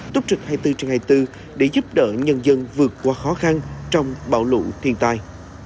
túc trực hai mươi bốn trên hai mươi bốn để giúp đỡ nhân dân vượt qua khó khăn trong bão lũ thiên tai